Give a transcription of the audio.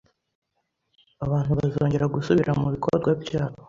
abantu bazongera gusubira mu bikorwa byabo